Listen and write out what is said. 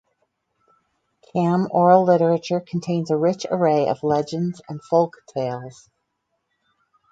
Kam oral literature contains a rich array of legends and folk tales.